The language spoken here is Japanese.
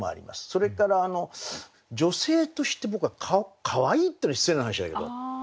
それから女性として僕はかわいいっていうのも失礼な話だけど。